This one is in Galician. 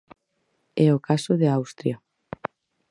É o caso de Austria.